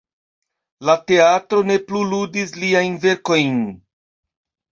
La teatroj ne plu ludis liajn verkojn.